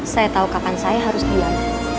saya tahu kapan saya harus diam